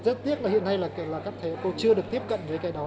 rất tiếc là hiện nay là các thầy cô chưa được tiếp cận với cái đó